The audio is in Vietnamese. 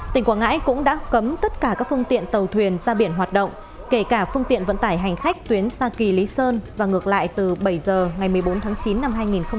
tỉnh quảng ngãi cũng đã cấm tất cả các phương tiện tàu thuyền ra biển hoạt động kể cả phương tiện vận tải hành khách tuyến xa kỳ lý sơn và ngược lại từ bảy giờ ngày một mươi bốn tháng chín năm hai nghìn hai mươi